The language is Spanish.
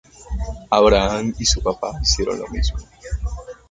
Abraham y su papá hicieron lo mismo.